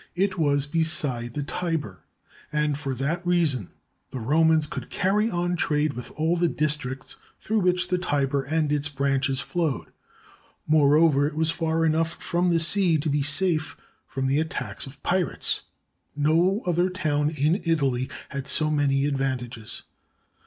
It was beside the Tiber, and for that reason the Romans could carry on trade with all the districts through which the Tiber and its branches flowed. Moreover, it was far enough from the sea to be safe from the attacks of pirates. No other town in Italy had so many advantages.